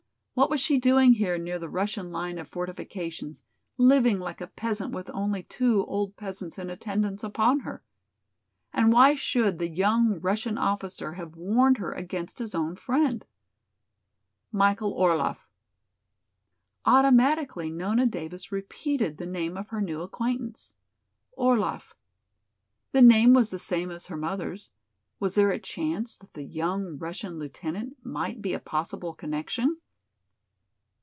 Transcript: What was she doing here near the Russian line of fortifications, living like a peasant with only two old peasants in attendance upon her? And why should the young Russian officer have warned her against his own friend? "Michael Orlaff." Automatically Nona Davis repeated the name of her new acquaintance. "Orlaff." The name was the same as her mother's. Was there a chance that the young Russian lieutenant might be a possible connection?